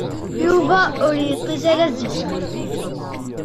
Yuba ur yeṭṭis ara zik.